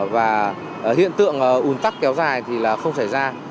và hiện tượng ồn tắc kéo dài thì không xảy ra